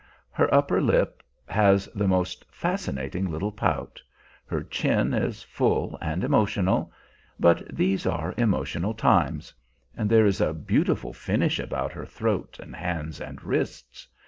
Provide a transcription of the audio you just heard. Her upper lip has the most fascinating little pout; her chin is full and emotional but these are emotional times; and there is a beautiful finish about her throat and hands and wrists.